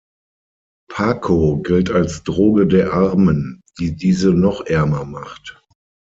Paco gilt als Droge der Armen, die diese noch ärmer macht.